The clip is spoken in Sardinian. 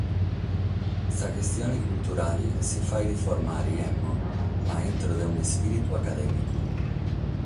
Sa chistione culturale si faghet formale, emmo, ma a intro de un'ispìritu acadèmicu.